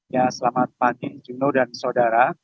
ya selamat pagi juno dan saudara